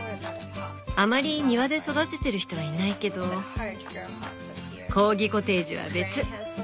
あまり庭で育ててる人はいないけどコーギコテージは別。